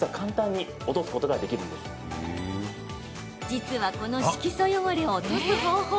実はこの色素汚れを落とす方法